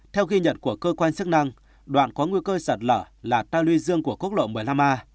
theo ghi nhận của cơ quan chức năng đoạn có nguy cơ sạt lở là ta lưu dương của quốc lộ một mươi năm a